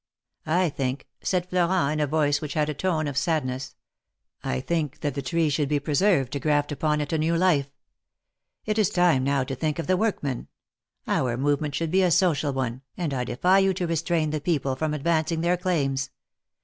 I think," said Florent, in a voice which had a tone of sadness — think that the tree should be preserved to 170 THE MABKETS OF PARIS. graft upon it a new life. It is time now to think of the workman. Our movement should be a social one, and I defy you to restrain the people from advancing their claims.